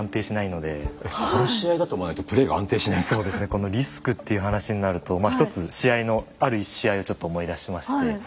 このリスクという話になると一つ試合のある一試合をちょっと思い出しまして。